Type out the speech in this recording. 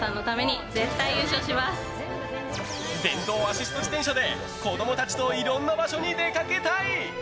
電動アシスト自転車で子供たちといろんな場所に出かけたい！